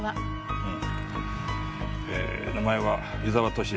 うん。